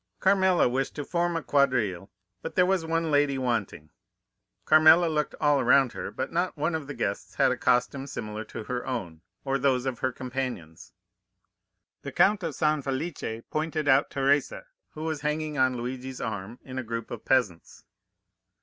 "Carmela wished to form a quadrille, but there was one lady wanting. Carmela looked all around her, but not one of the guests had a costume similar to her own, or those of her companions. The Count of San Felice pointed out Teresa, who was hanging on Luigi's arm in a group of peasants.